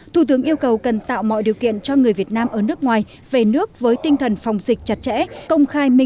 thủ tướng yêu cầu cần tạo mọi điều kiện cho người việt nam ở nước ngoài về nước với tinh thần phòng dịch chặt chẽ